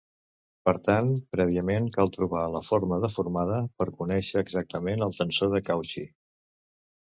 Per tant prèviament cal trobar la forma deformada per conèixer exactament el tensor de Cauchy.